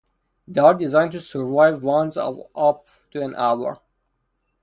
They are designed to survive winds of up to an hour.